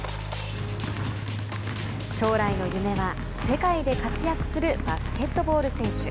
将来の夢は世界で活躍するバスケットボール選手。